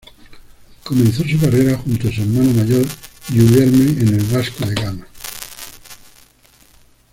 Comenzó su carrera junto a su hermano mayor Guilherme en el Vasco da Gama.